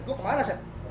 dompet gue kemana sep